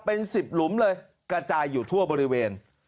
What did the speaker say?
เป็น๑๐หลุมเลยกระจายอยู่ทั่วบริเวณ